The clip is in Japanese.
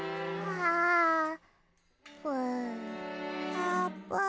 あーぷん。